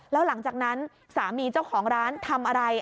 แล้วหลังจากนั้นสามีเจ้าของร้านทำอะไร